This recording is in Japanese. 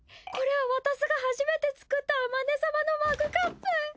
これはわたすが初めて作ったあまね様のマグカップ。